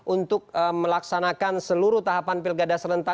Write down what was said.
untuk melaksanakan seluruh tahapan pilkada serentak